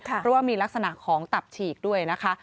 เพราะว่ามีลักษณะของตับฉีกด้วยนะคะ